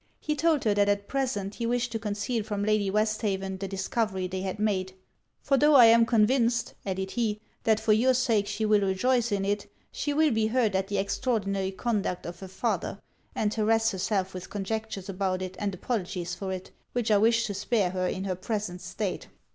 He told her that at present he wished to conceal from Lady Westhaven the discovery they had made. 'For tho' I am convinced,' added he, 'that for your sake she will rejoice in it, she will be hurt at the extraordinary conduct of her father, and harrass herself with conjectures about it and apologies for it, which I wish to spare her in her present state.'